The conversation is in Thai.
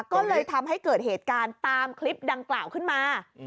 ก็เลยทำให้เกิดเหตุการณ์ตามคลิปดังกล่าวขึ้นมา